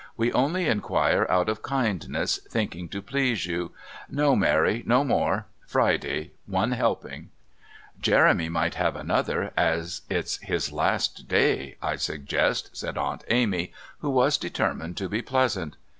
"We only inquire out of kindness, thinking to please you. No, Mary, no more. Friday one helping " "Jeremy might have another as it's his last day, I suggest," said Aunt Amy, who was determined to be pleasant.